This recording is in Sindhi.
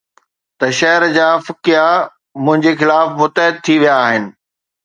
ته شهر جا فقيه منهنجي خلاف متحد ٿي ويا آهن